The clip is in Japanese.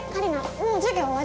もう授業終わり？